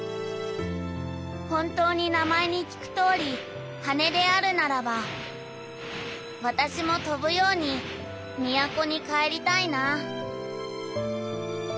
「本当に名前に聞くとおり羽であるならば私も飛ぶように都に帰りたいな」。